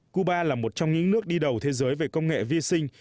cuba là một trong những nước đi đầu thế giới về công nghệ vi sinh